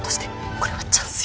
これはチャンスよ。